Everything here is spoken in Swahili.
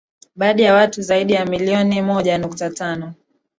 baada ya watu zaidi ya milioni moja nukta tano